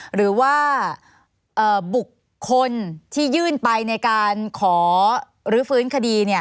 หรือว่าบุคคลที่ยื่นไปในการขอรื้อฟื้นคดี